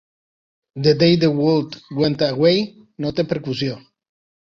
"The day the world went away" no té percussió.